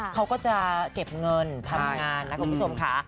เขาก็จะเก็บเงินทำงานนะคุณผู้ชมค่ะ